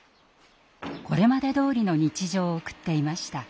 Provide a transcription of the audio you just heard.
これまでどおりの日常を送っていました。